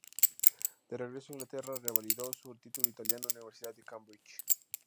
De regreso a Inglaterra, revalidó su título italiano en la Universidad de Cambridge.